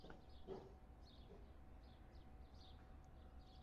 Inaelezea ushawishi wa tamaduni na usanifu wa majengo wa Zanzibar